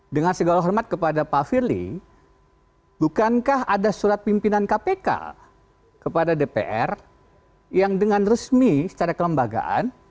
dengan segala hormat kepada pak firly bukankah ada surat pimpinan kpk kepada dpr yang dengan resmi secara kelembagaan